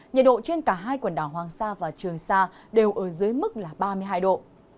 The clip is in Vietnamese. nhiệt độ trên cả hai quần đảo hoàng sa và trường sa đều ở dưới mức là ba mươi hai độ